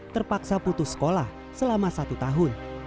terpaksa putus sekolah selama satu tahun